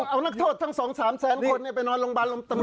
เอานักโทษทั้ง๒๓แสนคนเนี่ยไปนอนโรงพยาบาลตำรวจเนี่ย